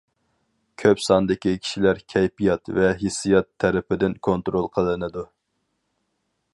كۆپ ساندىكى كىشىلەر كەيپىيات ۋە ھېسسىيات تەرىپىدىن كونترول قىلىنىدۇ.